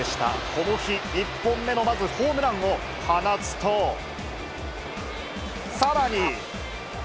この日１本目のまずホームランを放つと、さらに。